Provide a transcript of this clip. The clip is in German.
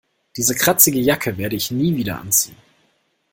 Diese kratzige Jacke werde ich nie wieder anziehen.